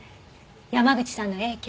山口さんの影響？